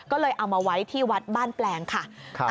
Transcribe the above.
ก็เลยเอามาไว้ที่วัดบ้านแปลงค่ะ